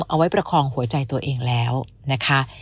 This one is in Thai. เอาไว้ประคองหัวใจตัวเองแล้วนะคะ